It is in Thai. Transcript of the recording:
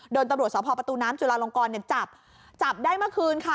โดนตำรวจสอบพอประตูน้ำจุฬาลงกรจับได้เมื่อคืนค่ะ